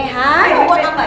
mau gue tambahin